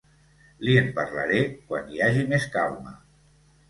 Li'n parlaré quan hi hagi més calma.